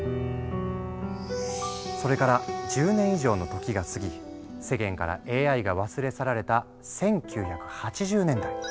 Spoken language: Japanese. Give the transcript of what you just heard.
それから１０年以上の時が過ぎ世間からＡＩが忘れ去られた１９８０年代。